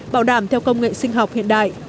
bảo đảm theo công nghệ sinh học hiện đại